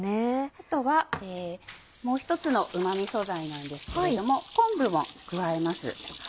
あとはもう一つのうま味素材なんですけれども昆布も加えます。